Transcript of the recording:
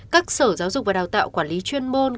các sở giáo dục và đào tạo quản lý chuyên môn